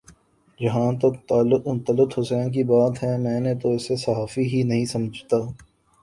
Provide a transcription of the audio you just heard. جہاں تک طلعت حسین کی بات ہے میں تو اسے صحافی ہی نہیں سمجھتا